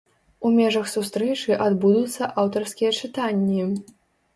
У межах сустрэчы адбудуцца аўтарскія чытанні.